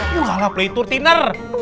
kalah playtour thinner